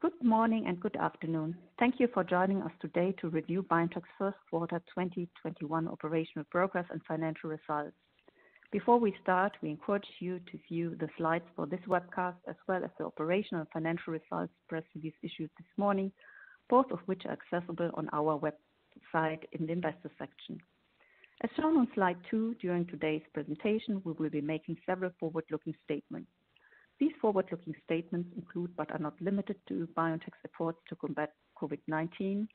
Good morning and good afternoon. Thank you for joining us today to review BioNTech's first quarter 2021 operational progress and financial results. Before we start, we encourage you to view the slides for this webcast, as well as the operational and financial results press release issued this morning, both of which are accessible on our website in the investor section. As shown on slide two, during today's presentation, we will be making several forward-looking statements. These forward-looking statements include, but are not limited to, BioNTech's efforts to combat COVID-19,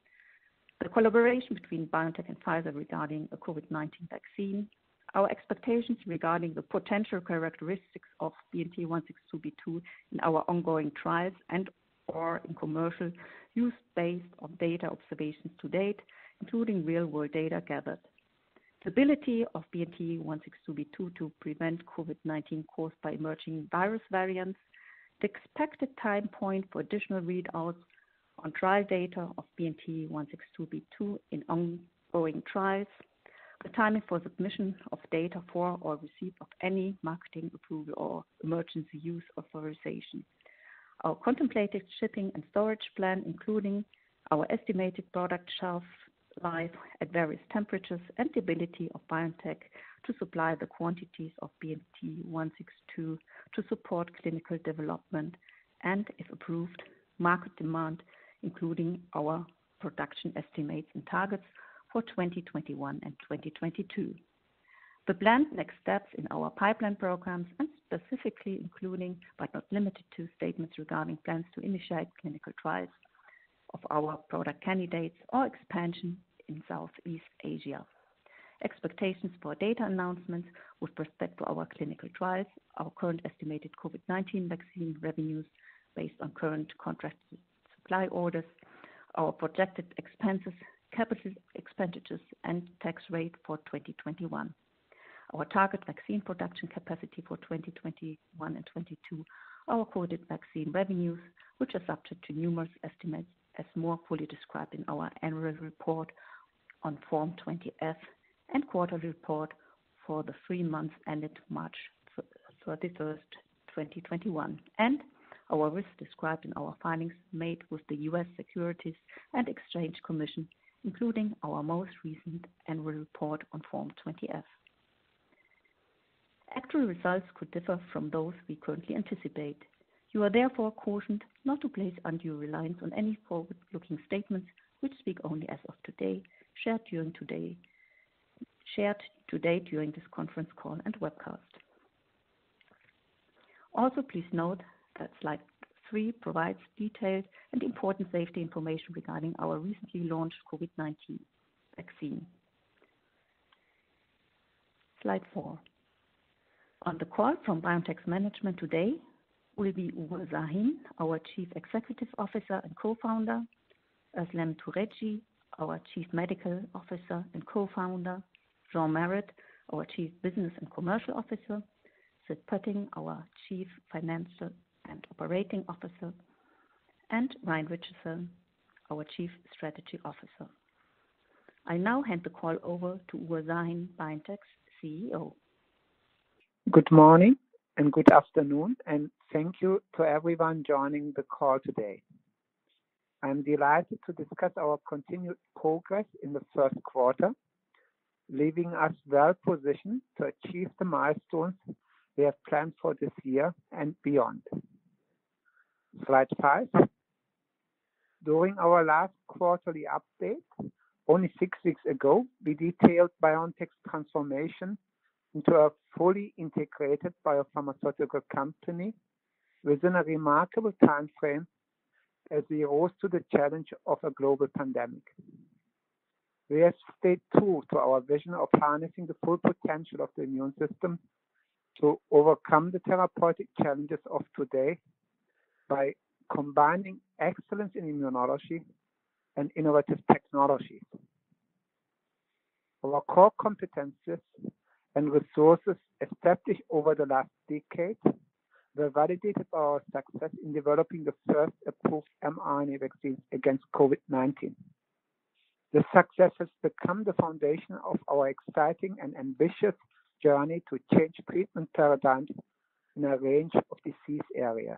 the collaboration between BioNTech and Pfizer regarding a COVID-19 vaccine, our expectations regarding the potential characteristics of BNT162b2 in our ongoing trials and/or in commercial use based on data observations to date, including real-world data gathered. The ability of BNT162b2 to prevent COVID-19 caused by emerging virus variants, the expected time point for additional readouts on trial data of BNT162b2 in ongoing trials. The timing for submission of data for or receipt of any marketing approval or emergency use authorization. Our contemplated shipping and storage plan, including our estimated product shelf life at various temperatures, and the ability of BioNTech to supply the quantities of BNT162 to support clinical development and, if approved, market demand, including our production estimates and targets for 2021 and 2022. The planned next steps in our pipeline programs, and specifically including, but not limited to, statements regarding plans to initiate clinical trials of our product candidates or expansion in Southeast Asia. Expectations for data announcements with respect to our clinical trials, our current estimated COVID vaccine revenues based on current contract supply orders, our projected expenses, capital expenditures and tax rate for 2021. Our target vaccine production capacity for 2021 and 2022, our COVID vaccine revenues, which are subject to numerous estimates as more fully described in our annual report on Form 20-F and quarterly report for the three months ended March 31, 2021. Our risks described in our filings made with the U.S. Securities and Exchange Commission, including our most recent annual report on Form 20-F. Actual results could differ from those we currently anticipate. You are therefore cautioned not to place undue reliance on any forward-looking statements which speak only as of today, shared today during this conference call and webcast. Also, please note that slide three provides detailed and important safety information regarding our recently launched COVID-19 vaccine. Slide four. On the call from BioNTech's management today will be Uğur Şahin, our Chief Executive Officer and Co-founder, Özlem Türeci, our Chief Medical Officer and Co-founder, Sean Marett, our Chief Business and Commercial Officer, Sierk Poetting, our Chief Financial and Operating Officer, and Ryan Richardson, our Chief Strategy Officer. I now hand the call over to Uğur Şahin, BioNTech's CEO. Good morning and good afternoon, and thank you to everyone joining the call today. I'm delighted to discuss our continued progress in the first quarter, leaving us well positioned to achieve the milestones we have planned for this year and beyond. Slide five. During our last quarterly update only six weeks ago, we detailed BioNTech's transformation into a fully integrated biopharmaceutical company within a remarkable timeframe as we rose to the challenge of a global pandemic. We have stayed true to our vision of harnessing the full potential of the immune system to overcome the therapeutic challenges of today by combining excellence in immunology and innovative technology. Our core competencies and resources established over the last decade were validated by our success in developing the first approved mRNA vaccine against COVID-19. This success has become the foundation of our exciting and ambitious journey to change treatment paradigms in a range of disease areas.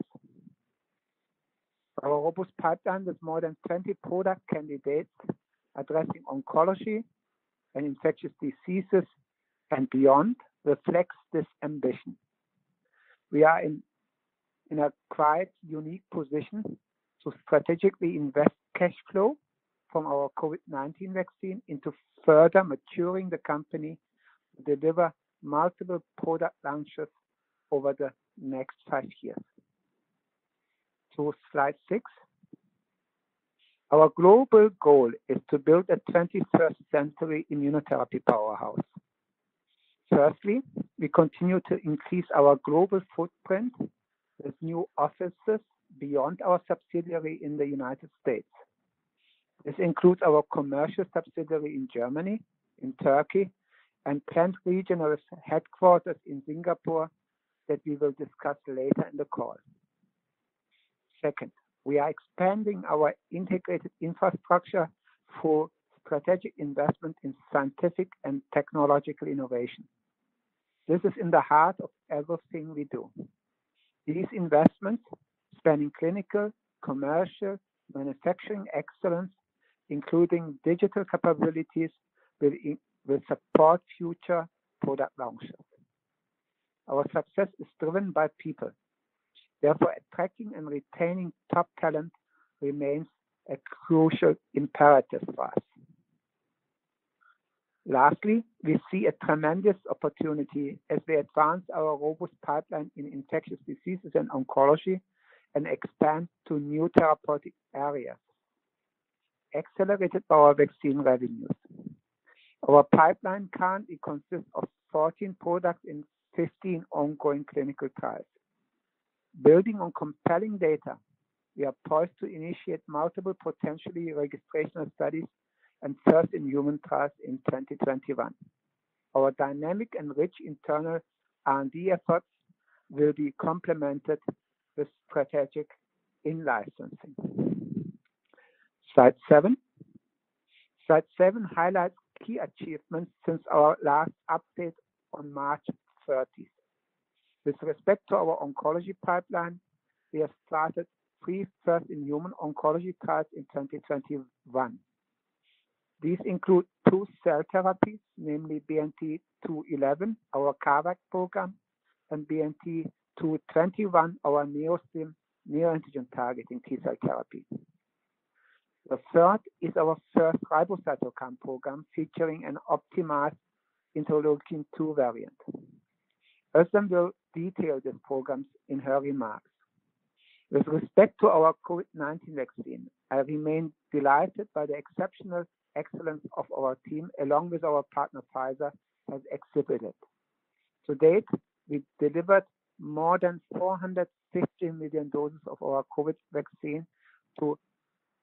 Our robust pipeline, with more than 20 product candidates addressing oncology and infectious diseases and beyond, reflects this ambition. We are in a quite unique position to strategically invest cash flow from our COVID-19 vaccine into further maturing the company to deliver multiple product launches over the next five years. Slide six. Our global goal is to build a 21st century immunotherapy powerhouse. We continue to increase our global footprint with new offices beyond our subsidiary in the U.S. This includes our commercial subsidiary in Germany, in Turkey, and planned regional headquarters in Singapore that we will discuss later in the call. We are expanding our integrated infrastructure for strategic investment in scientific and technological innovation. This is in the heart of everything we do. These investments spanning clinical, commercial, manufacturing excellence, including digital capabilities, will support future product launches. Our success is driven by people. Attracting and retaining top talent remains a crucial imperative for us. We see a tremendous opportunity as we advance our robust pipeline in infectious diseases and oncology and expand to new therapeutic areas, accelerated by our vaccine revenues. Our pipeline currently consists of 14 products in 15 ongoing clinical trials. Building on compelling data, we are poised to initiate multiple potentially regulatory studies and first-in-human trials in 2021. Our dynamic and rich internal R&D efforts will be complemented with strategic in-licensing. Slide seven. Slide seven highlights key achievements since our last update on March 30th. With respect to our oncology pipeline, we have started three first-in-human oncology trials in 2021. These include two cell therapies, namely BNT211, our CARVac program, and BNT221, our NEO-STIM, neoantigen targeting cell therapy. The third is our third cytokine program featuring an optimized interleukin-2 variant. Özlem Türeci will detail the programs in her remarks. With respect to our COVID-19 vaccine, I remain delighted by the exceptional excellence of our team, along with our partner Pfizer, has exhibited. To date, we've delivered more than 450 million doses of our COVID vaccine to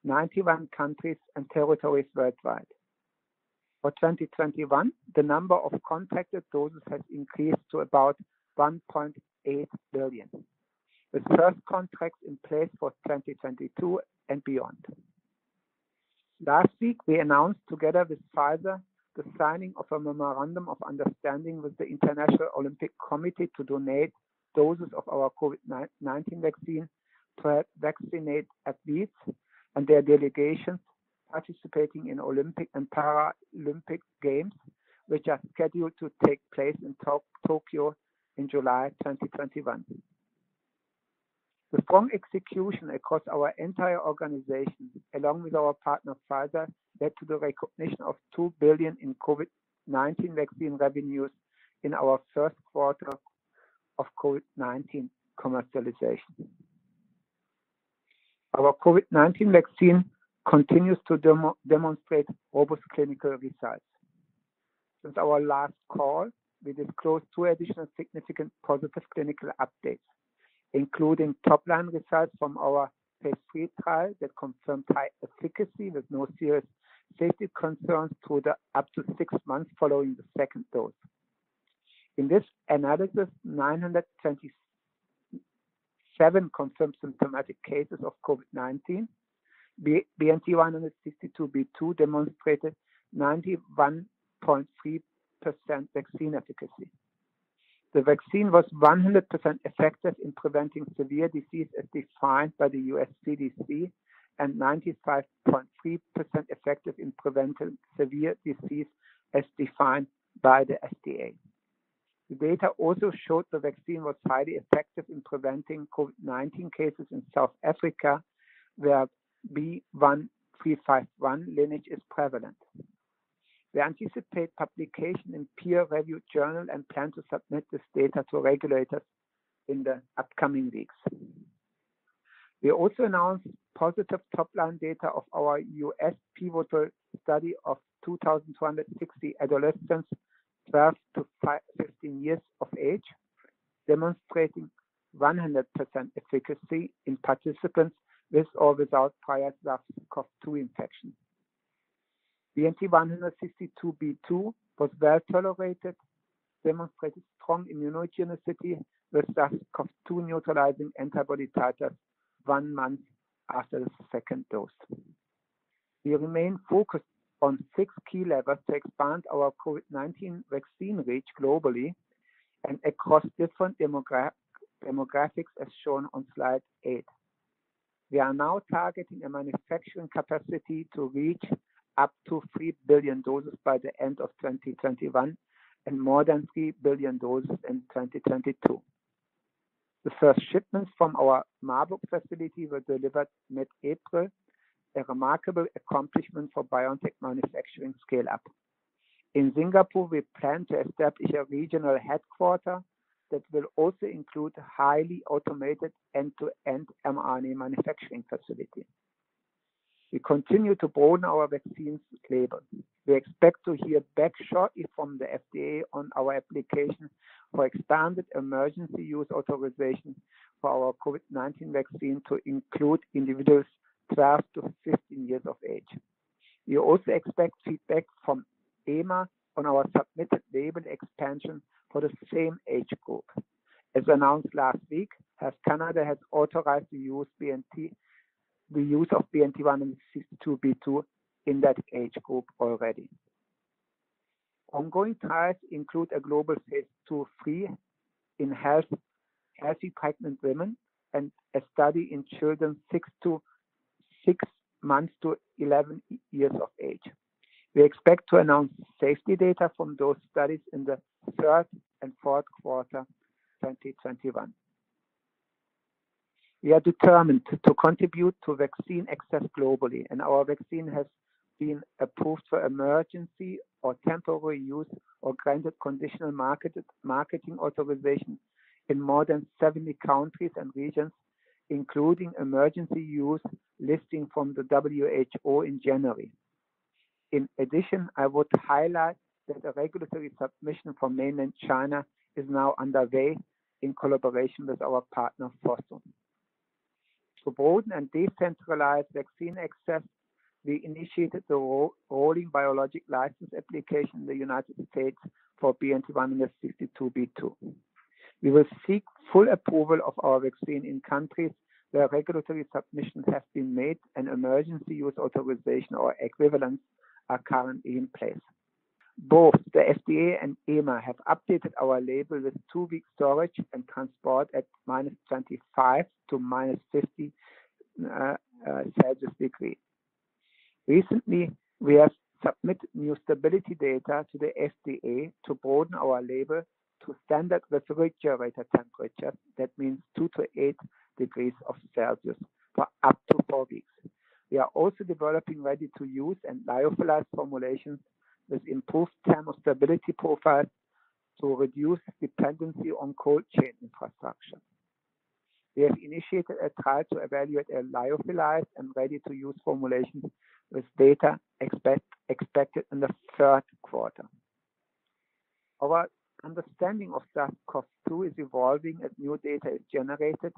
91 countries and territories worldwide. For 2021, the number of contracted doses has increased to about 1.8 billion, with sales contracts in place for 2022 and beyond. Last week, we announced together with Pfizer, the signing of a memorandum of understanding with the International Olympic Committee to donate doses of our COVID-19 vaccine to vaccinate athletes and their delegations participating in Olympic and Paralympic Games, which are scheduled to take place in Tokyo in July 2021. The strong execution across our entire organization, along with our partner Pfizer, led to the recognition of 2 billion in COVID-19 vaccine revenues in our first quarter of COVID-19 commercialization. Our COVID-19 vaccine continues to demonstrate robust clinical results. Since our last call, we disclosed two additional significant positive clinical updates, including top-line results from our phase III trial that confirmed high efficacy with no serious safety concerns through up to six months following the second dose. In this analysis, 927 confirmed symptomatic cases of COVID-19, BNT162b2 demonstrated 91.3% vaccine efficacy. The vaccine was 100% effective in preventing severe disease as defined by the U.S. CDC and 95.3% effective in preventing severe disease as defined by the FDA. The data also showed the vaccine was highly effective in preventing COVID-19 cases in South Africa, where B.1.351 lineage is prevalent. We anticipate publication in peer-reviewed journal and plan to submit this data to regulators in the upcoming weeks. We also announced positive top-line data of our U.S. pivotal study of 2,260 adolescents 12-15 years of age, demonstrating 100% efficacy in participants with or without prior SARS-CoV-2 infection. BNT162b2 was well-tolerated, demonstrated strong immunogenicity with SARS-CoV-2 neutralizing antibody titers one month after the second dose. We remain focused on six key levers to expand our COVID-19 vaccine reach globally and across different demographics as shown on slide eight. We are now targeting a manufacturing capacity to reach up to 3 billion doses by the end of 2021 and more than 3 billion doses in 2022. The first shipment from our Marburg facility was delivered mid-April, a remarkable accomplishment for BioNTech manufacturing scale-up. In Singapore, we plan to establish a regional headquarter that will also include highly automated end-to-end mRNA manufacturing facility. We continue to broaden our vaccine's labels. We expect to hear back shortly from the FDA on our application for expanded emergency use authorization for our COVID-19 vaccine to include individuals 12-15 years of age. We also expect feedback from EMA on our submitted label extension for the same age group. As announced last week, Canada has authorized the use of BNT162b2 in that age group already. Ongoing trials include a global phase II/III in healthy pregnant women, and a study in children six months to 11 years of age. We expect to announce safety data from those studies in the third and fourth quarter 2021. We are determined to contribute to vaccine access globally, and our vaccine has been approved for emergency or temporary use, or granted conditional marketing authorization in more than 70 countries and regions, including emergency use listing from the WHO in January. In addition, I would highlight that the regulatory submission from Mainland China is now underway in collaboration with our partner, Fosun. To broaden and decentralize vaccine access, we initiated the rolling Biologics License Application in the U.S. for BNT162b2. We will seek full approval of our vaccine in countries where regulatory submissions have been made and emergency use authorization or equivalents are currently in place. Both the FDA and EMA have updated our label with two-week storage and transport at -25 to -80 degrees Celsius. Recently, we have submitted new stability data to the FDA to broaden our label to standard refrigerator temperature. That means two to eight degrees Celsius for up to four weeks. We are also developing ready-to-use and lyophilized formulations with improved thermal stability profiles to reduce dependency on cold chain infrastructure. We have initiated a trial to evaluate a lyophilized and ready-to-use formulation, with data expected in the third quarter. Our understanding of SARS-CoV-2 is evolving as new data is generated,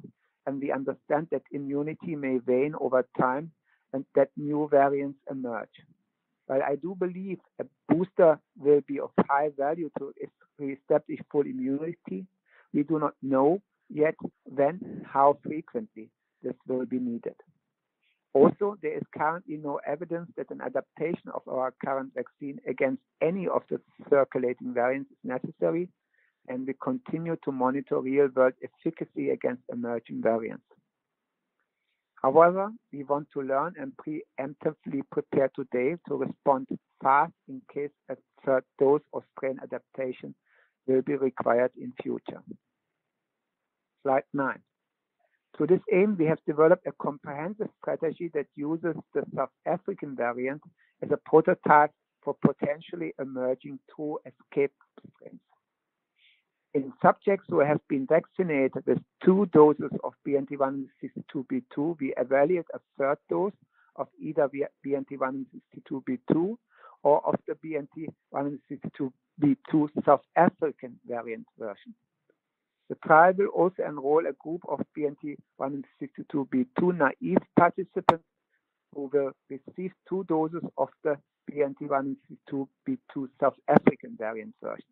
and we understand that immunity may wane over time and that new variants emerge. I do believe a booster will be of high value to reestablish full immunity. We do not know yet when, how frequently this will be needed. There is currently no evidence that an adaptation of our current vaccine against any of the circulating variants is necessary, and we continue to monitor real-world efficacy against emerging variants. We want to learn and preemptively prepare today to respond fast in case a third dose or strain adaptation will be required in future. Slide nine. To this aim, we have developed a comprehensive strategy that uses the South African variant as a prototype for potentially emerging true escape strains. In subjects who have been vaccinated with two doses of BNT162b2, we evaluate a third dose of either BNT162b2 or of the BNT162b2 South African variant version. The trial will also enroll a group of BNT162b2-naïve participants who will receive two doses of the BNT162b2 South African variant version.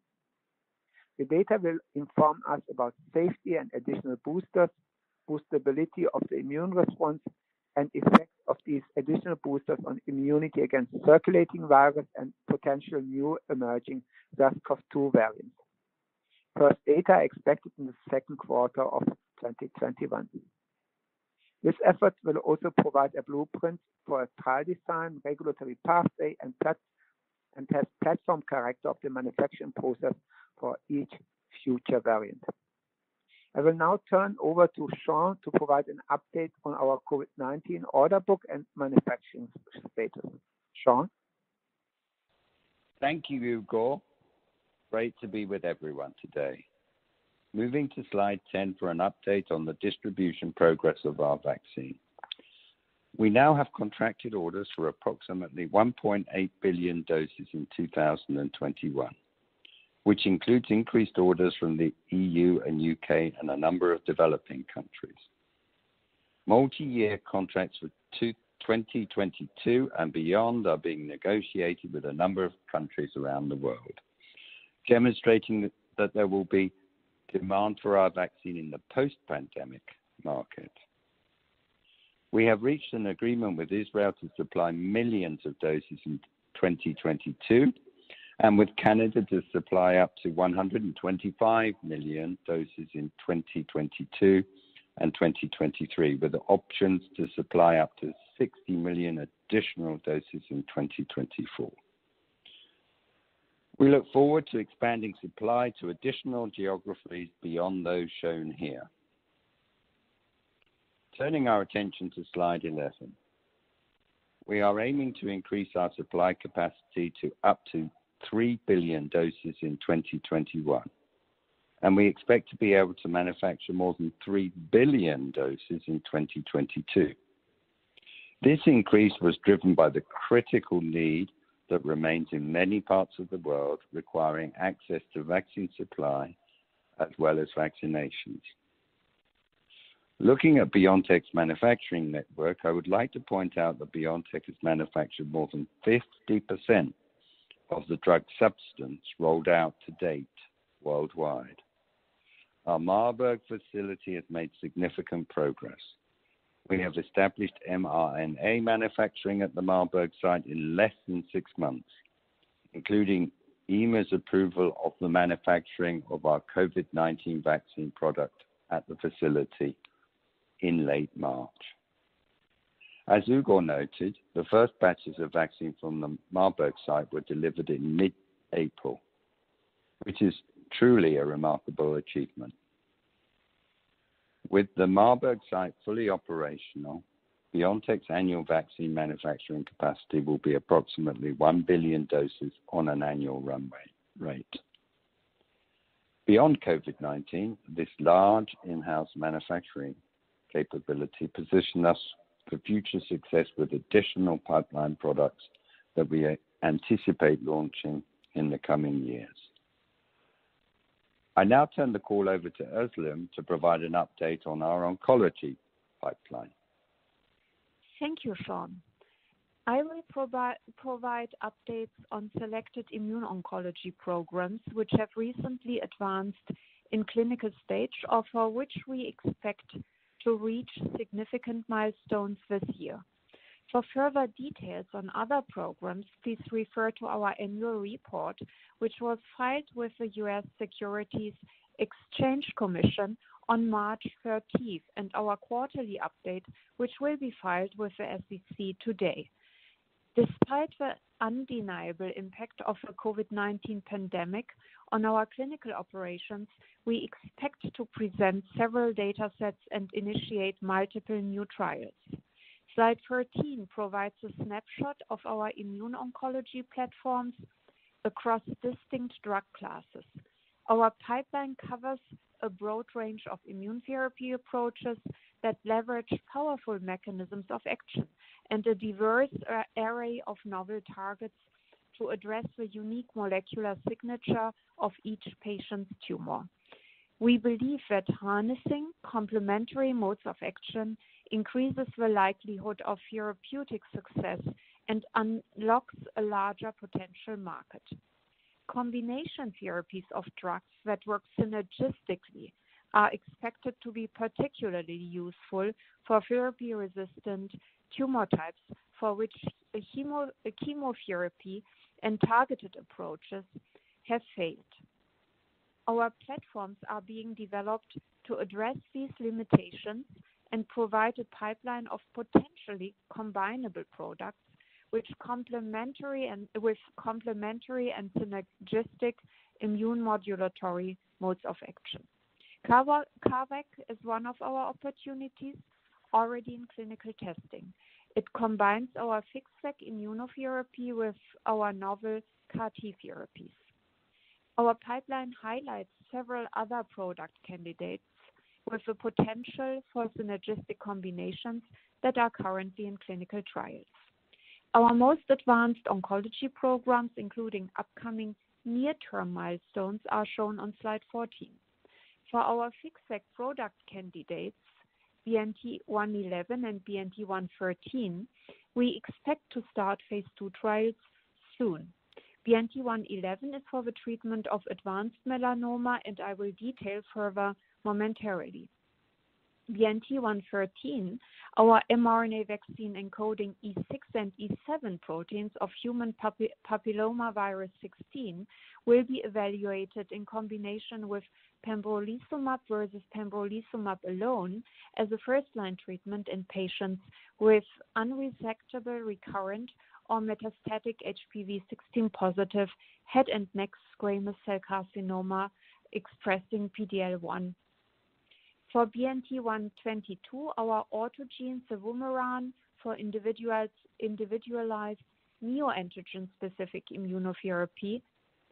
The data will inform us about safety and additional boosters, boostability of the immune response, and effects of these additional boosters on immunity against circulating virus and potential new emerging SARS-CoV-2 variants. First data expected in the second quarter of 2021. This effort will also provide a blueprint for a trial design, regulatory pathway, and test platform character of the manufacturing process for each future variant. I will now turn over to Sean to provide an update on our COVID-19 order book and manufacturing status. Sean? Thank you, Uğur Şahin. Great to be with everyone today. Moving to slide 10 for an update on the distribution progress of our vaccine. We now have contracted orders for approximately 1.8 billion doses in 2021, which includes increased orders from the EU and U.K. and a number of developing countries. Multi-year contracts with 2022 and beyond are being negotiated with a number of countries around the world, demonstrating that there will be demand for our vaccine in the post-pandemic market. We have reached an agreement with Israel to supply millions of doses in 2022, and with Canada to supply up to 125 million doses in 2022 and 2023, with the options to supply up to 60 million additional doses in 2024. We look forward to expanding supply to additional geographies beyond those shown here. Turning our attention to slide 11. We are aiming to increase our supply capacity to up to 3 billion doses in 2021, and we expect to be able to manufacture more than 3 billion doses in 2022. This increase was driven by the critical need that remains in many parts of the world, requiring access to vaccine supply as well as vaccination. Looking at BioNTech's manufacturing network, I would like to point out that BioNTech has manufactured more than 50% of the drug substance rolled out to date worldwide. Our Marburg facility has made significant progress. We have established mRNA manufacturing at the Marburg site in less than six months, including EMA's approval of the manufacturing of our COVID-19 vaccine product at the facility in late March. As Uğur noted, the first batches of vaccine from the Marburg site were delivered in mid-April, which is truly a remarkable achievement. With the Marburg site fully operational, BioNTech's annual vaccine manufacturing capacity will be approximately 1 billion doses on an annual run rate. Beyond COVID-19, this large in-house manufacturing capability positions us for future success with additional pipeline products that we anticipate launching in the coming years. I now turn the call over to Özlem to provide an update on our oncology pipeline. Thank you, Sean. I will provide updates on selected Immuno-Oncology programs which have recently advanced in clinical stage, or for which we expect to reach significant milestones this year. For further details on other programs, please refer to our annual report, which was filed with the U.S. Securities and Exchange Commission on March 13th, and our quarterly update, which will be filed with the SEC today. Despite the undeniable impact of the COVID-19 pandemic on our clinical operations, we expect to present several data sets and initiate multiple new trials. Slide 13 provides a snapshot of our Immuno-Oncology platforms across distinct drug classes. Our pipeline covers a broad range of immunotherapy approaches that leverage powerful mechanisms of action and a diverse array of novel targets to address the unique molecular signature of each patient's tumor. We believe that harnessing complementary modes of action increases the likelihood of therapeutic success and unlocks a larger potential market. Combination therapies of drugs that work synergistically are expected to be particularly useful for therapy-resistant tumor types for which chemotherapy and targeted approaches have failed. Our platforms are being developed to address these limitations and provide a pipeline of potentially combinable products with complementary and synergistic immune modulatory modes of action. CARVac is one of our opportunities already in clinical testing. It combines our FixVac immunotherapy with our novel CAR T therapies. Our pipeline highlights several other product candidates with the potential for synergistic combinations that are currently in clinical trials. Our most advanced oncology programs, including upcoming near-term milestones, are shown on slide 14. For our FixVac product candidates, BNT111 and BNT113, we expect to start phase II trials soon. BNT111 is for the treatment of advanced melanoma, and I will detail further momentarily. BNT113, our mRNA vaccine encoding E6 and E7 proteins of human papillomavirus 16, will be evaluated in combination with pembrolizumab, versus pembrolizumab alone, as a first-line treatment in patients with unresectable, recurrent, or metastatic HPV-16 positive head and neck squamous cell carcinoma expressing PD-L1. For BNT122, our autogene cevumeran for Individualized Neoantigen Specific Immunotherapy,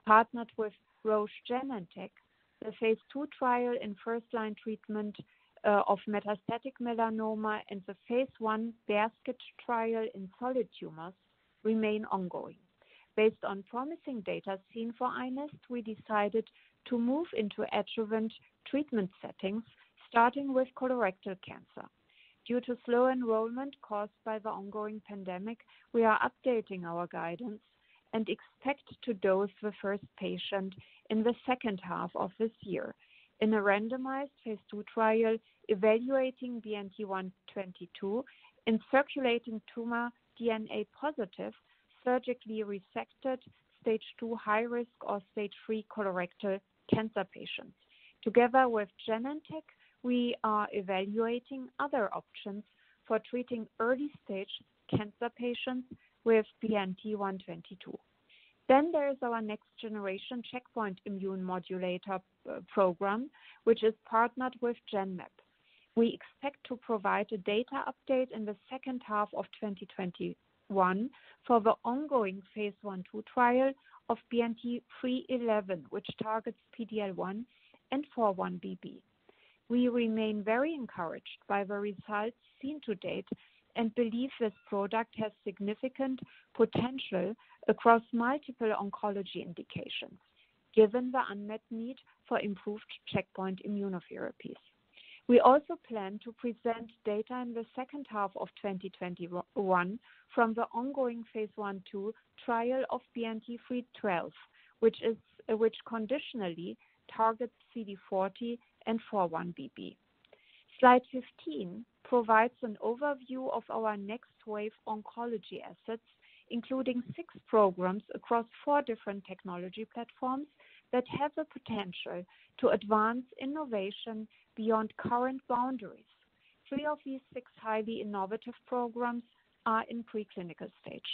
partnered with Roche Genentech. The phase II trial in first-line treatment of metastatic melanoma and the phase I basket trial in solid tumors remain ongoing. Based on promising data seen for iNeST, we decided to move into adjuvant treatment settings, starting with colorectal cancer. Due to slow enrollment caused by the ongoing pandemic, we are updating our guidance and expect to dose the first patient in the second half of this year in a randomized phase II trial evaluating BNT122 in circulating tumor DNA positive, surgically resected stage 2 high risk or stage 3 colorectal cancer patients. Together with Genentech, we are evaluating other options for treating early-stage cancer patients with BNT122. There is our next generation checkpoint immune modulator program, which is partnered with Genmab. We expect to provide a data update in the second half of 2021 for the ongoing phase I/II trial of BNT311, which targets PD-L1 and 4-1BB. We remain very encouraged by the results seen to date and believe this product has significant potential across multiple oncology indications, given the unmet need for improved checkpoint immunotherapies. We also plan to present data in the second half of 2021 from the ongoing phase I/II trial of BNT312, which conditionally targets CD40 and 4-1BB. Slide 15 provides an overview of our next wave oncology assets, including six programs across four different technology platforms that have the potential to advance innovation beyond current boundaries. Three of these six highly innovative programs are in preclinical stage.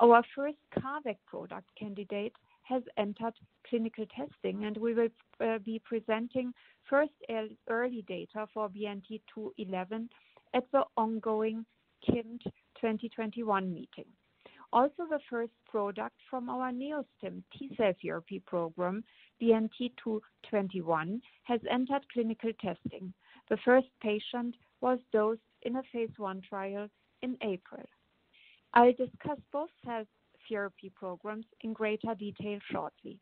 Our first CARVac product candidate has entered clinical testing. We will be presenting first early data for BNT211 at the ongoing CIMT 2021 meeting. Also, the first product from our NEO-STIM T-cell therapy program, BNT221, has entered clinical testing. The first patient was dosed in a phase I trial in April. I'll discuss both cell therapy programs in greater detail shortly.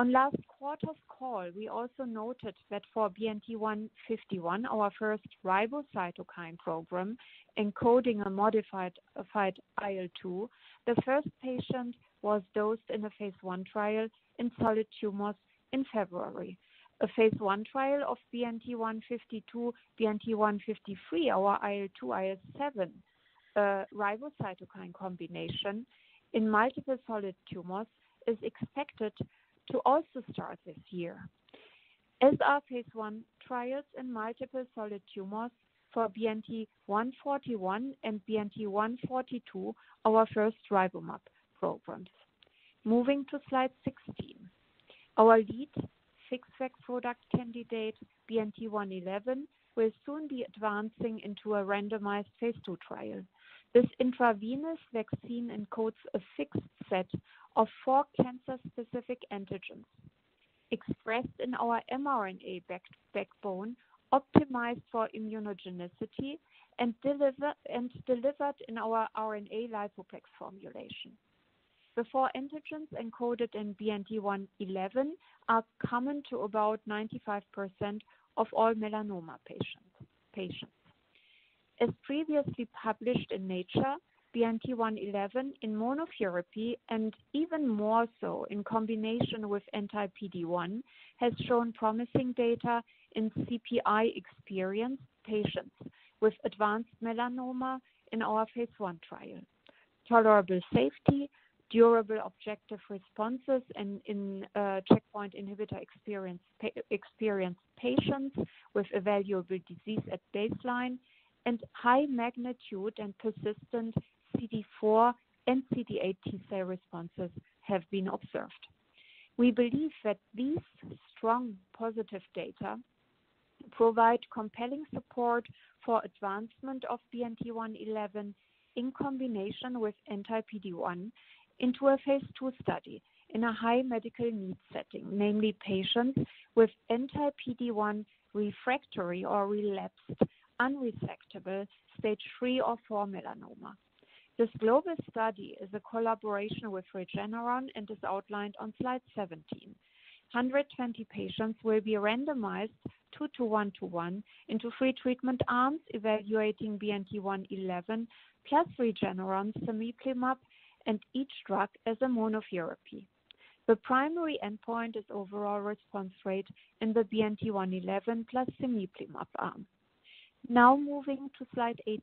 On last quarter's call, we also noted that for BNT151, our first RiboCytokine program encoding a modified IL-2, the first patient was dosed in a phase I trial in solid tumors in February. A phase I trial of BNT152/BNT153, our IL-2/IL-7 RiboCytokine combination in multiple solid tumors is expected to also start this year. As are phase I trials in multiple solid tumors for BNT141 and BNT142, our first RiboMab programs. Moving to Slide 16. Our lead FixVac product candidate, BNT111, will soon be advancing into a randomized phase II trial. This intravenous vaccine encodes a fixed set of four cancer-specific antigens expressed in our mRNA backbone, optimized for immunogenicity, and delivered in our RNA-LPX formulation. The four antigens encoded in BNT111 are common to about 95% of all melanoma patients. As previously published in "Nature," BNT111 in monotherapy and even more so in combination with anti-PD-1, has shown promising data in CPI-experienced patients with advanced melanoma in our phase I trial. Tolerable safety, durable objective responses in checkpoint inhibitor-experienced patients with evaluable disease at baseline, and high magnitude and persistent CD4 and CD8 T cell responses have been observed. We believe that these strong positive data provide compelling support for advancement of BNT111 in combination with anti-PD-1 into a phase II study in a high medical need setting, namely patients with anti-PD-1 refractory or relapsed unresectable stage 3 or 4 melanoma. This global study is a collaboration with Regeneron and is outlined on Slide 17. 120 patients will be randomized two to one to one into three treatment arms evaluating BNT111 plus Regeneron cemiplimab, and each drug as a monotherapy. The primary endpoint is overall response rate in the BNT111 plus cemiplimab arm. Moving to Slide 18.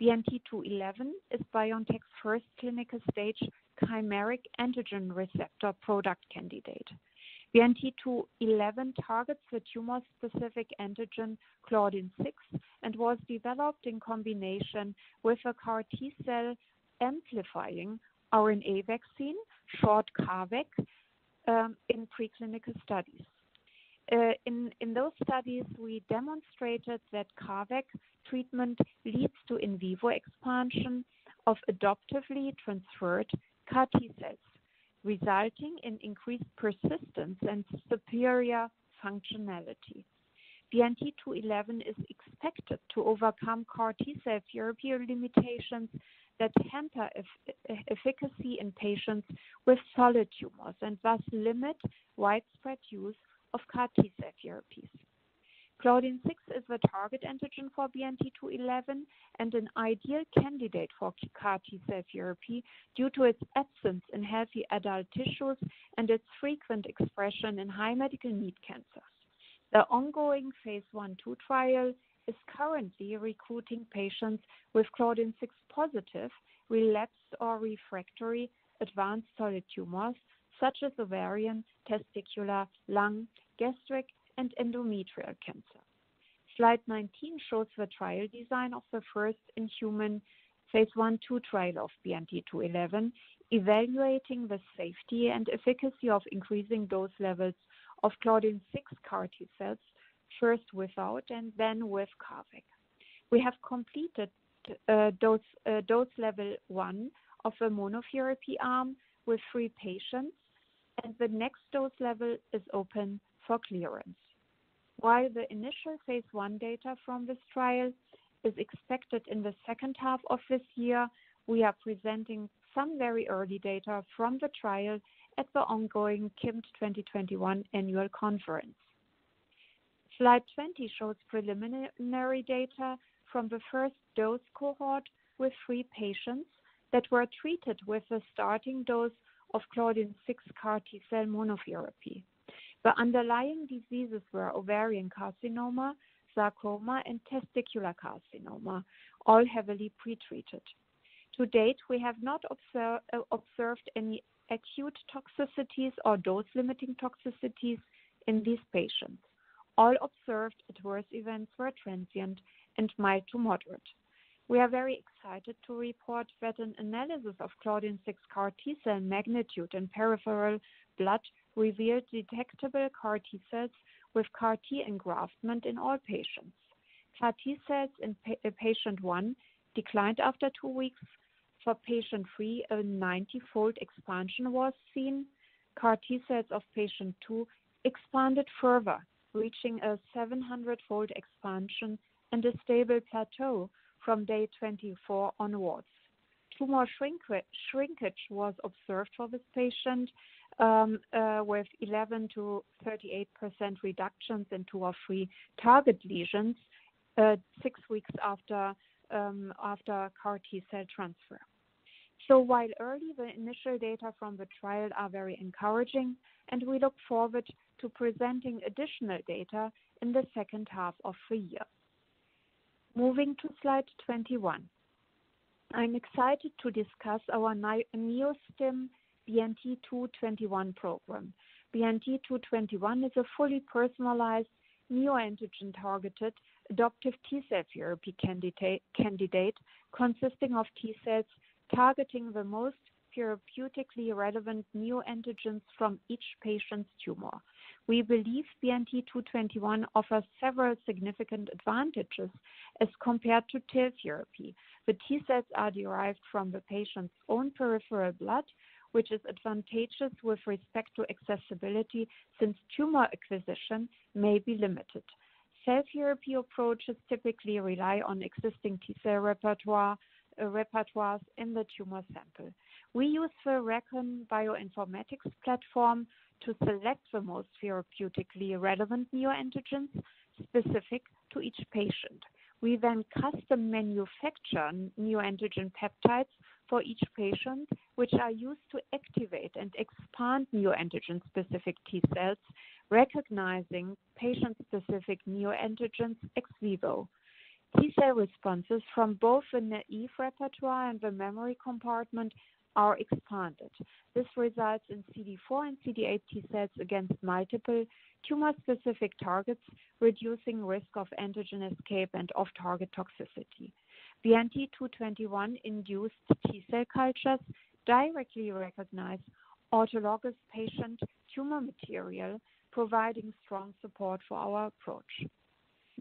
BNT211 is BioNTech's first clinical-stage chimeric antigen receptor product candidate. BNT211 targets the tumor-specific antigen Claudin-6 and was developed in combination with a CAR T cell amplifying RNA vaccine, short CARVac, in preclinical studies. In those studies, we demonstrated that CARVac treatment leads to in vivo expansion of adoptively transferred CAR T cells, resulting in increased persistence and superior functionality. BNT211 is expected to overcome CAR T cell therapy limitations that hamper efficacy in patients with solid tumors and thus limit widespread use of CAR T cell therapies. Claudin-6 is the target antigen for BNT211 and an ideal candidate for CAR T cell therapy due to its absence in healthy adult tissues and its frequent expression in high medical need cancers. The ongoing phase I/II trial is currently recruiting patients with Claudin-6 positive relapsed or refractory advanced solid tumors such as ovarian, testicular, lung, gastric, and endometrial cancer. Slide 19 shows the trial design of the first-in-human phase I/II trial of BNT211, evaluating the safety and efficacy of increasing dose levels of Claudin-6 CAR T cells, first without and then with CARVac. We have completed dose level one of the monotherapy arm with three patients, and the next dose level is open for clearance. The initial phase I data from this trial is expected in the second half of this year, we are presenting some very early data from the trial at the ongoing CIMT 2021 annual conference. Slide 20 shows preliminary data from the first dose cohort with three patients that were treated with a starting dose of Claudin-6 CAR T cell monotherapy. The underlying diseases were ovarian carcinoma, sarcoma, and testicular carcinoma, all heavily pre-treated. To date, we have not observed any acute toxicities or dose-limiting toxicities in these patients. All observed adverse events were transient and mild to moderate. We are very excited to report that an analysis of Claudin-6 CAR T cell magnitude in peripheral blood revealed detectable CAR T cells with CAR T engraftment in all patients. CAR T cells in patient one declined after two weeks. For patient three, a 90-fold expansion was seen. CAR T cells of patient two expanded further, reaching a 700-fold expansion and a stable plateau from day 24 onwards. Tumor shrinkage was observed for this patient, with 11%-38% reductions in two of three target lesions six weeks after CAR T cell transfer. While early, the initial data from the trial are very encouraging, and we look forward to presenting additional data in the second half of the year. Moving to slide 21. I'm excited to discuss our neoSTIM-BNT221 program. BNT221 is a fully personalized neoantigen-targeted adoptive T cell therapy candidate consisting of T cells targeting the most therapeutically relevant neoantigens from each patient's tumor. We believe BNT221 offers several significant advantages as compared to TIL therapy. The T cells are derived from the patient's own peripheral blood, which is advantageous with respect to accessibility, since tumor acquisition may be limited. Cell therapy approaches typically rely on existing T cell repertoires in the tumor sample. We use the RECON bioinformatics platform to select the most therapeutically relevant neoantigens specific to each patient. We custom manufacture neoantigen peptides for each patient, which are used to activate and expand neoantigen-specific T cells, recognizing patient-specific neoantigens ex vivo. T cell responses from both the naive repertoire and the memory compartment are expanded. This results in CD4 and CD8 T cells against multiple tumor-specific targets, reducing risk of antigen escape and off-target toxicity. BNT221 induced T cell cultures directly recognize autologous patient tumor material, providing strong support for our approach.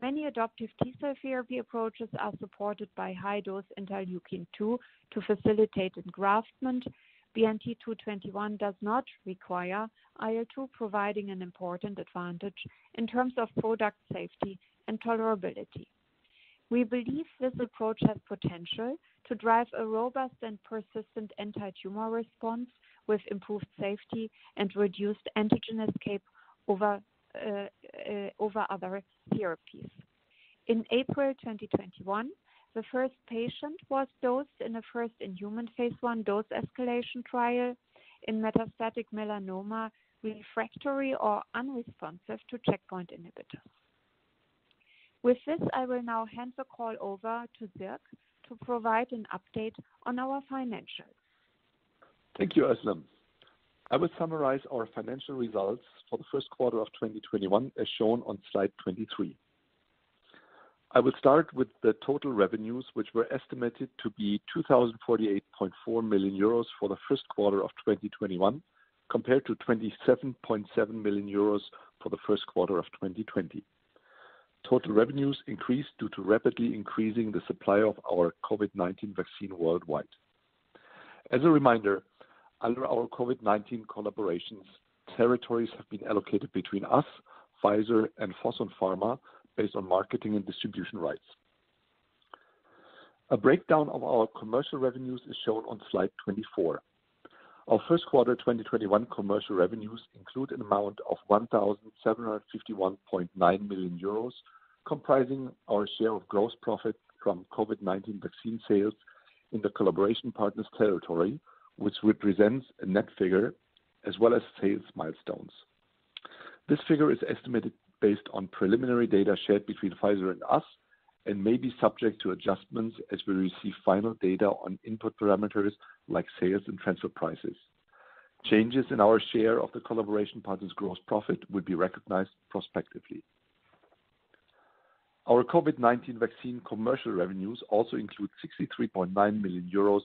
Many adoptive T cell therapy approaches are supported by high-dose interleukin 2 to facilitate engraftment. BNT221 does not require IL-2, providing an important advantage in terms of product safety and tolerability. We believe this approach has potential to drive a robust and persistent anti-tumor response with improved safety and reduced antigen escape over other therapies. In April 2021, the first patient was dosed in the first-in-human phase I dose escalation trial in metastatic melanoma refractory or unresponsive to checkpoint inhibitors. With this, I will now hand the call over to Sierk to provide an update on our financials. Thank you, Özlem. I will summarize our financial results for the first quarter of 2021, as shown on slide 23. I will start with the total revenues, which were estimated to be 2,048.4 million euros for the first quarter of 2021, compared to 27.7 million euros for the first quarter of 2020. Total revenues increased due to rapidly increasing the supply of our COVID-19 vaccine worldwide. As a reminder, under our COVID-19 collaborations, territories have been allocated between us, Pfizer, and Fosun Pharma based on marketing and distribution rights. A breakdown of our commercial revenues is shown on slide 24. Our first quarter 2021 commercial revenues include an amount of 1,751.9 million euros, comprising our share of gross profit from COVID-19 vaccine sales in the collaboration partner's territory, which represents a net figure, as well as sales milestones. This figure is estimated based on preliminary data shared between Pfizer and us and may be subject to adjustments as we receive final data on input parameters like sales and transfer prices. Changes in our share of the collaboration partner's gross profit would be recognized prospectively. Our COVID-19 vaccine commercial revenues also include 63.9 million euros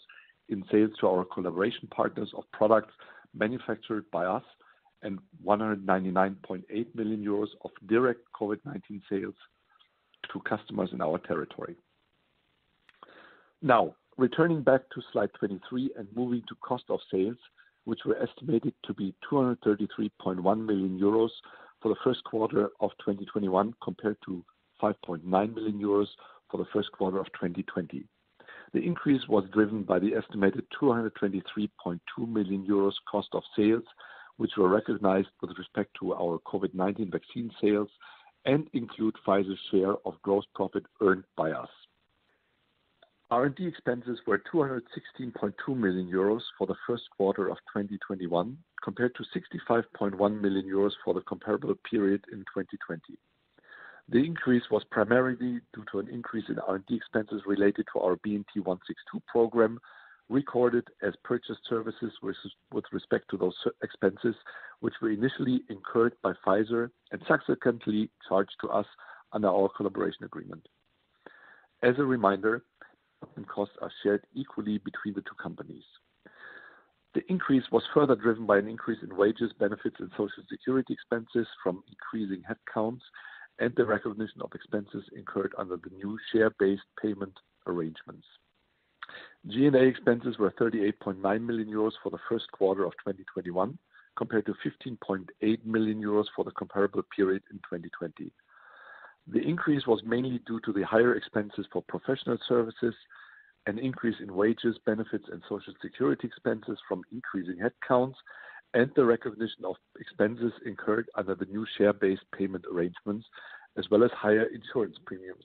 in sales to our collaboration partners of products manufactured by us, and 199.8 million euros of direct COVID-19 sales to customers in our territory. Returning back to slide 23 and moving to cost of sales, which were estimated to be 233.1 million euros for the first quarter of 2021 compared to 5.9 million euros for the first quarter of 2020. The increase was driven by the estimated 223.2 million euros cost of sales, which were recognized with respect to our COVID-19 vaccine sales and include Pfizer's share of gross profit earned by us. R&D expenses were 216.2 million euros for the first quarter of 2021 compared to 65.1 million euros for the comparable period in 2020. The increase was primarily due to an increase in R&D expenses related to our BNT162 program, recorded as purchased services with respect to those expenses, which were initially incurred by Pfizer and subsequently charged to us under our collaboration agreement. As a reminder, development costs are shared equally between the two companies. The increase was further driven by an increase in wages, benefits, and Social Security expenses from increasing headcounts and the recognition of expenses incurred under the new share-based payment arrangements. G&A expenses were 38.9 million euros for the first quarter of 2021 compared to 15.8 million euros for the comparable period in 2020. The increase was mainly due to the higher expenses for professional services, an increase in wages, benefits, and Social Security expenses from increasing headcounts, and the recognition of expenses incurred under the new share-based payment arrangements, as well as higher insurance premiums.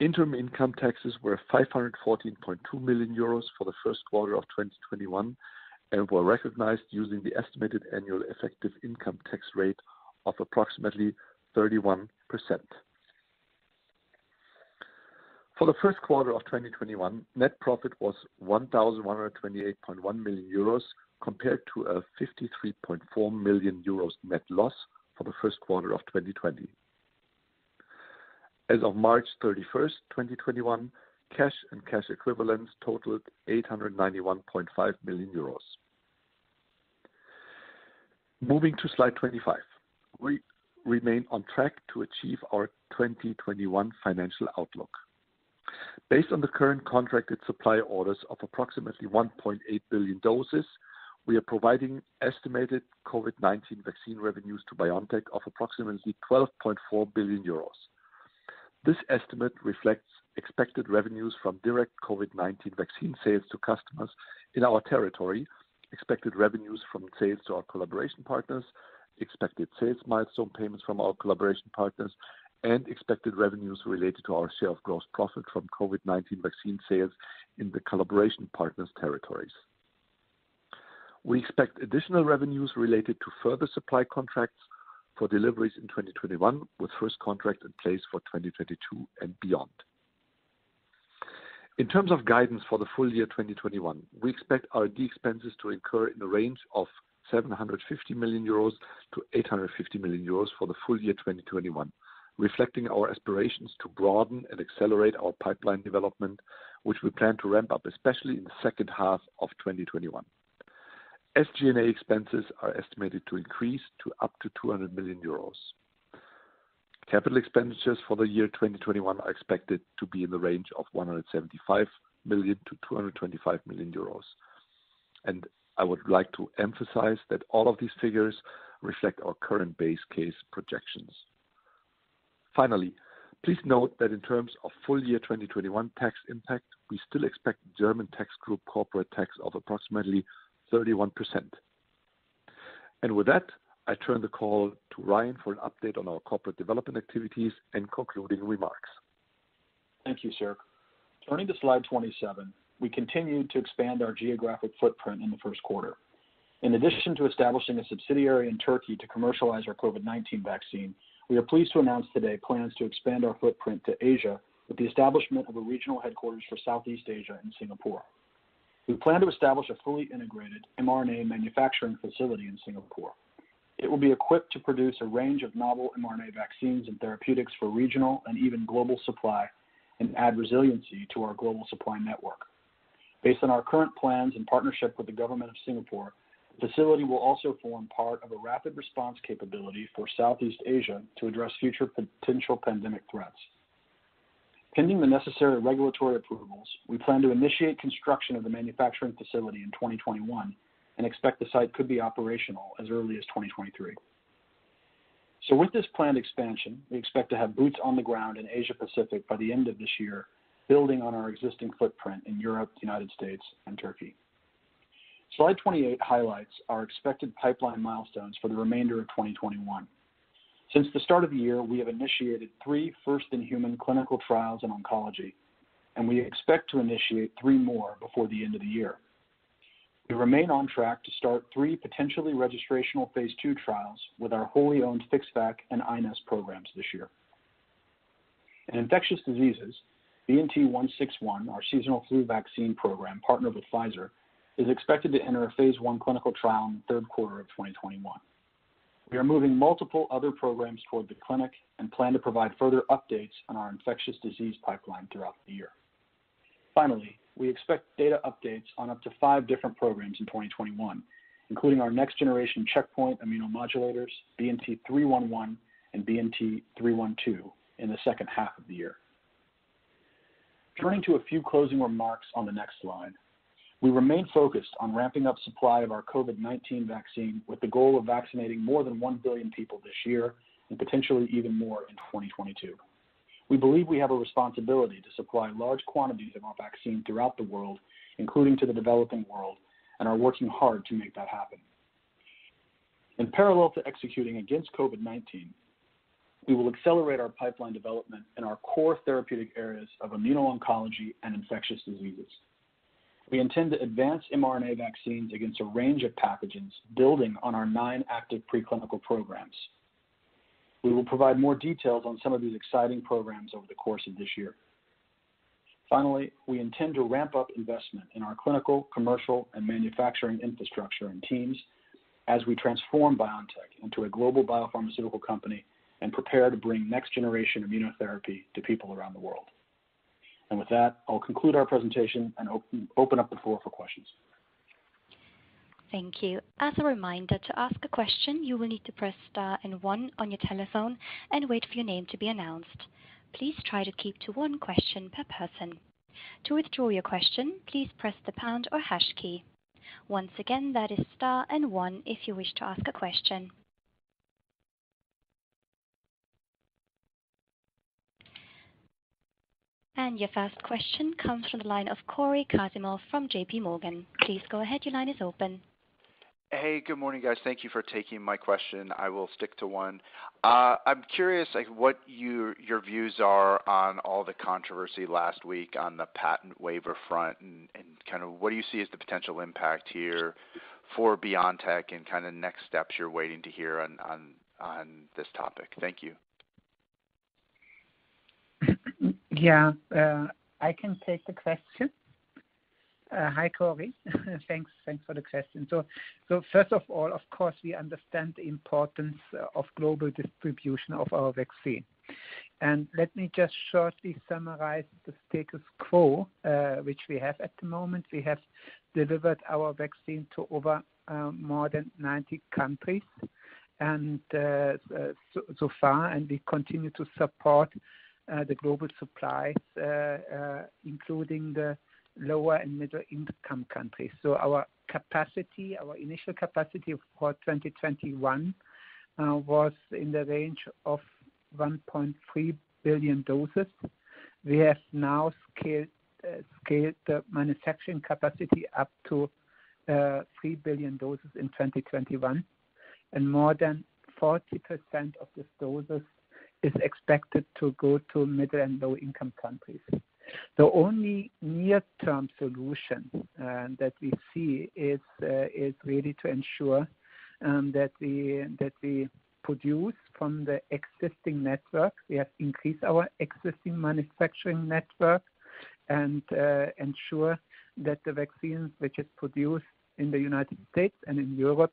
Interim income taxes were 514.2 million euros for the first quarter of 2021 and were recognized using the estimated annual effective income tax rate of approximately 31%. For the first quarter of 2021, net profit was 1,128.1 million euros compared to a 53.4 million euros net loss for the first quarter of 2020. As of March 31st, 2021, cash and cash equivalents totaled 891.5 million euros. Moving to slide 25. We remain on track to achieve our 2021 financial outlook. Based on the current contracted supply orders of approximately 1.8 billion doses, we are providing estimated COVID-19 vaccine revenues to BioNTech of approximately 12.4 billion euros. This estimate reflects expected revenues from direct COVID-19 vaccine sales to customers in our territory, expected revenues from sales to our collaboration partners, expected sales milestone payments from our collaboration partners, and expected revenues related to our share of gross profit from COVID-19 vaccine sales in the collaboration partners' territories. We expect additional revenues related to further supply contracts for deliveries in 2021, with first contract in place for 2022 and beyond. In terms of guidance for the full year 2021, we expect R&D expenses to incur in the range of 750 million-850 million euros for the full year 2021, reflecting our aspirations to broaden and accelerate our pipeline development, which we plan to ramp up especially in the second half of 2021. SG&A expenses are estimated to increase to up to 200 million euros. Capital expenditures for the year 2021 are expected to be in the range of 175 million-225 million euros. I would like to emphasize that all of these figures reflect our current base case projections. Finally, please note that in terms of full year 2021 tax impact, we still expect German tax group corporate tax of approximately 31%. With that, I turn the call to Ryan for an update on our corporate development activities and concluding remarks. Thank you, Sierk. Turning to slide 27, we continue to expand our geographic footprint in the first quarter. In addition to establishing a subsidiary in Turkey to commercialize our COVID-19 vaccine, we are pleased to announce today plans to expand our footprint to Asia with the establishment of a regional headquarters for Southeast Asia in Singapore. We plan to establish a fully integrated mRNA manufacturing facility in Singapore. It will be equipped to produce a range of novel mRNA vaccines and therapeutics for regional and even global supply and add resiliency to our global supply network. Based on our current plans and partnership with the government of Singapore, the facility will also form part of a rapid response capability for Southeast Asia to address future potential pandemic threats. Pending the necessary regulatory approvals, we plan to initiate construction of the manufacturing facility in 2021 and expect the site could be operational as early as 2023. With this planned expansion, we expect to have boots on the ground in Asia-Pacific by the end of this year, building on our existing footprint in Europe, the U.S., and Turkey. Slide 28 highlights our expected pipeline milestones for the remainder of 2021. Since the start of the year, we have initiated three first-in-human clinical trials in oncology, and we expect to initiate three more before the end of the year. We remain on track to start three potentially registrational phase II trials with our wholly owned FixVac and iNeST programs this year. In infectious diseases, BNT161, our seasonal flu vaccine program, partnered with Pfizer, is expected to enter a phase I clinical trial in the third quarter of 2021. We are moving multiple other programs toward the clinic and plan to provide further updates on our infectious disease pipeline throughout the year. We expect data updates on up to five different programs in 2021, including our next generation checkpoint immunomodulators, BNT311 and BNT312 in the second half of the year. Turning to a few closing remarks on the next slide. We remain focused on ramping up supply of our COVID-19 vaccine with the goal of vaccinating more than 1 billion people this year, and potentially even more in 2022. We believe we have a responsibility to supply large quantities of our vaccine throughout the world, including to the developing world, and are working hard to make that happen. In parallel to executing against COVID-19, we will accelerate our pipeline development in our core therapeutic areas of immuno-oncology and infectious diseases. We intend to advance mRNA vaccines against a range of pathogens, building on our nine active preclinical programs. We will provide more details on some of these exciting programs over the course of this year. Finally, we intend to ramp up investment in our clinical, commercial, and manufacturing infrastructure and teams as we transform BioNTech into a global biopharmaceutical company and prepare to bring next generation immunotherapy to people around the world. With that, I'll conclude our presentation and open up the floor for questions. Thank you. Your first question comes from the line of Cory Kasimov from JPMorgan. Please go ahead. Hey, good morning, guys. Thank you for taking my question. I will stick to one. I'm curious what your views are on all the controversy last week on the patent waiver front and what do you see as the potential impact here for BioNTech and next steps you're waiting to hear on this topic? Thank you. I can take the question. Hi, Cory. Thanks for the question. First of all, of course, we understand the importance of global distribution of our vaccine. Let me just shortly summarize the status quo which we have at the moment. We have delivered our vaccine to over more than 90 countries so far, and we continue to support the global supplies, including the lower and middle income countries. Our initial capacity for 2021 was in the range of 1.3 billion doses. We have now scaled the manufacturing capacity up to 3 billion doses in 2021, and more than 40% of these doses is expected to go to middle and low income countries. The only near-term solution that we see is really to ensure that we produce from the existing network. We have increased our existing manufacturing network. Ensure that the vaccines which is produced in the United States and in Europe